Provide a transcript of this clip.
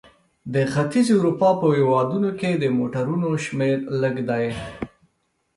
د ختیځې اروپا په هېوادونو کې د موټرونو شمیر لږ دی.